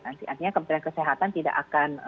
artinya kementerian kesehatan tidak akan